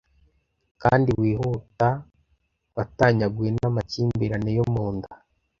Kandi wihuta, watanyaguwe namakimbirane yo munda,